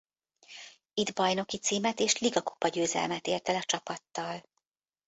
Itt bajnoki címet és ligakupa-győzelmet ért el a csapattal.